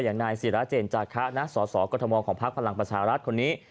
อย่างนายศิราเจนจากคณะสอสอกธมมตร์ของภาคพลังประชารัฐคนนี้